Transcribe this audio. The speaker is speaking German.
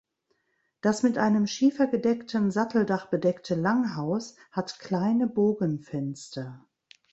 Das mit einem schiefergedeckten Satteldach bedeckte Langhaus hat kleine Bogenfenster.